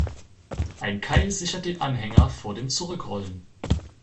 Ein Keil sichert den Anhänger vor dem Zurückrollen.